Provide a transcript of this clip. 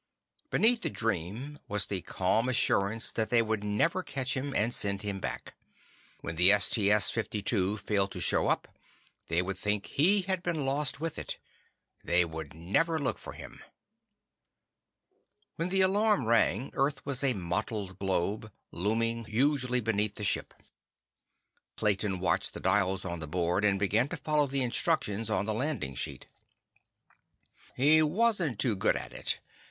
Beneath the dream was the calm assurance that they would never catch him and send him back. When the STS 52 failed to show up, they would think he had been lost with it. They would never look for him. When the alarm rang, Earth was a mottled globe looming hugely beneath the ship. Clayton watched the dials on the board, and began to follow the instructions on the landing sheet. He wasn't too good at it.